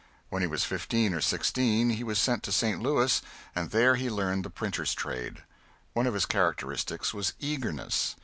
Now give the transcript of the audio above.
When he was fifteen or sixteen he was sent to St. Louis and there he learned the printer's trade. One of his characteristics was eagerness.